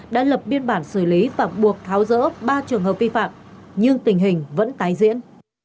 đã lập biên bản xử lý và buộc tháo rỡ ba trường hợp vi phạm nhưng tình hình vẫn tái diễn